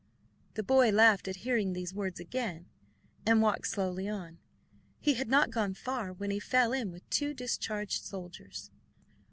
'" The boy laughed at hearing these words again, and walked slowly on. He had not gone far, when he fell in with two discharged soldiers.